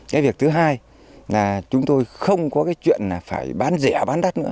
cái việc thứ hai là chúng tôi không có cái chuyện là phải bán rẻ bán đắt nữa